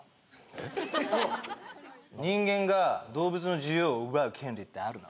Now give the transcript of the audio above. えっ人間が動物の自由を奪う権利ってあるの？